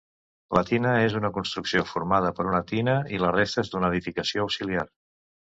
La tina és una construcció formada per una tina i les restes d'una edificació auxiliar.